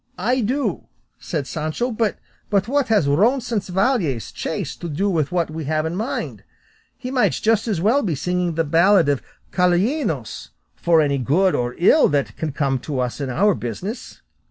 "I do," said Sancho, "but what has Roncesvalles chase to do with what we have in hand? He might just as well be singing the ballad of Calainos, for any good or ill that can come to us in our business."